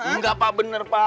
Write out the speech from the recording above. enggak pak bener pak